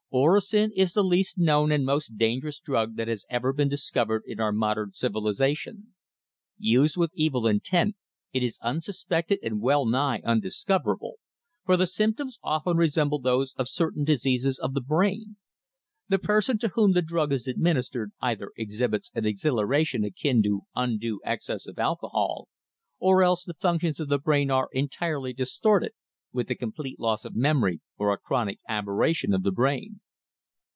Orosin is the least known and most dangerous drug that has ever been discovered in our modern civilization. Used with evil intent it is unsuspected and wellnigh undiscoverable, for the symptoms often resemble those of certain diseases of the brain. The person to whom the drug is administered either exhibits an exhilaration akin to undue excess of alcohol, or else the functions of the brain are entirely distorted, with a complete loss of memory or a chronic aberration of the brain."